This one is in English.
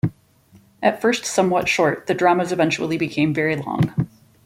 At first somewhat short, the dramas eventually became very long.